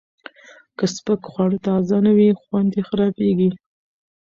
که سپک خواړه تازه نه وي، خوند یې خرابېږي.